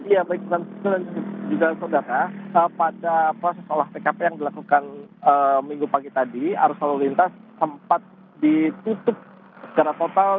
ya baik dan juga saudara pada proses olah tkp yang dilakukan minggu pagi tadi arus lalu lintas sempat ditutup secara total